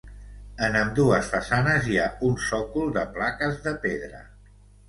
En ambdues façanes hi ha un sòcol de plaques de pedra.